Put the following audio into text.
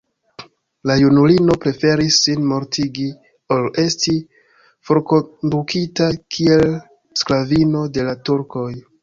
La junulino preferis sin mortigi ol esti forkondukita kiel sklavino de la turkoj.